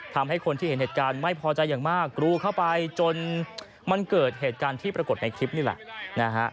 ทำให้คนที่เห็นเหตุการณ์ไม่พอใจอย่างมากกรูเข้าไปจนมันเกิดเหตุการณ์ที่ปรากฏในคลิปนี่แหละนะฮะ